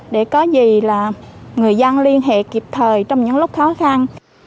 để có gì là người dân liên hệ kịp thời trong những lúc khó khăn